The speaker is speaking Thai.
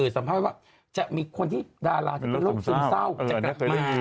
สัมภาษณ์ว่าจะมีคนที่ดาราที่เป็นโรคซึมเศร้าจะกลับมา